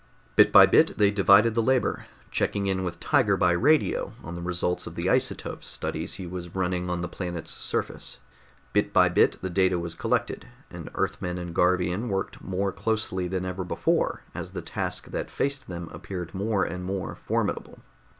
Bit by bit they divided the labor, checking in with Tiger by radio on the results of the isotopes studies he was running on the planet's surface. Bit by bit the data was collected, and Earthman and Garvian worked more closely than ever before as the task that faced them appeared more and more formidable.